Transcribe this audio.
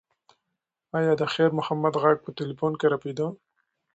ایا د خیر محمد غږ په تلیفون کې رپېده؟